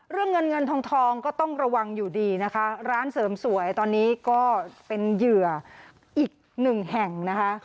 เรื่องเงินเงินทองทองก็ต้องระวังอยู่ดีนะคะร้านเสริมสวยตอนนี้ก็เป็นเหยื่ออีกหนึ่งแห่งนะคะ